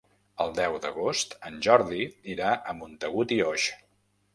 El deu d'agost en Jordi irà a Montagut i Oix.